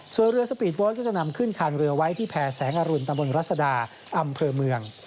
ส่วนเรือสปีดโบสต์ก็จะนำขึ้นคานเรือไว้ที่แพรแสงอรุณตะบนรัศดาอำเภอเมือง